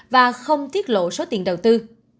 và không tiết lộ số tiền đầu tư